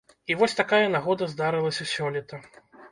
І вось такая нагода здарылася сёлета.